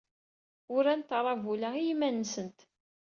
Urant aṛabul-a i yiman-nsent.